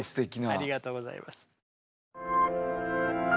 ありがとうございます。